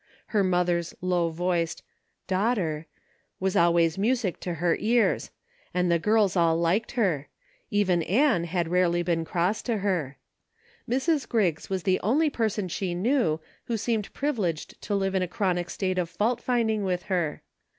Her mother's low voiced "Daugh ter" was always music to her ears; and the girls all liked her ; even Ann had rarely been cross to her. Mrs. Griggs was the only person she knew, who seemed privileged to live in a chronic state of fault finding with her.